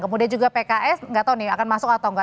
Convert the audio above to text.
kemudian juga pks nggak tahu nih akan masuk atau enggak